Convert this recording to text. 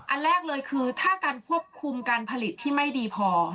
อันแรกเลยคือถ้าการควบคุมการผลิตที่ไม่ดีพอ